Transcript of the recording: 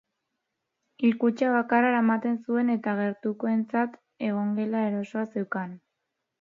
Hilkutxa bakarra eramaten zuen eta gertukoentzat egongela erosoa zeukan.